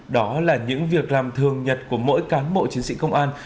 đó là những việc làm thường nhật của mỗi cán bộ chiến sĩ công an